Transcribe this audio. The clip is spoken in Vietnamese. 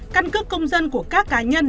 căn cước công dân của các cá nhân